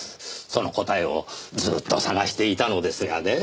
その答えをずっと探していたのですがね。